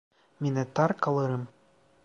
Minnettar kalırım.